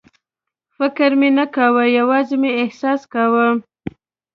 فکر مې نه کاوه، یوازې مې احساس کاوه.